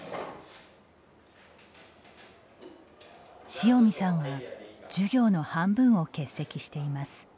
塩見さんは授業の半分を欠席しています。